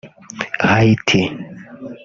Haiti